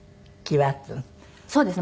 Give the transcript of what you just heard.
そうですね。